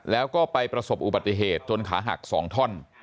แล้วก็ไปประสบอุบัติเหตุจนขาหัก๒ท่อน